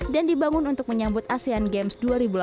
dan dibangun untuk menyambut asean games dua ribu delapan belas